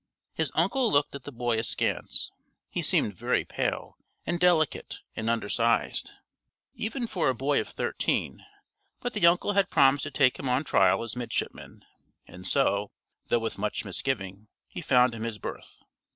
His uncle looked at the boy askance; he seemed very pale and delicate and undersized, even for a boy of thirteen, but the uncle had promised to take him on trial as midshipman, and so, though with much misgiving, he found him his berth.